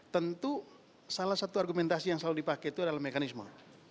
tentu salah satu argumentasi yang selalu dipakai itu adalah mekanisme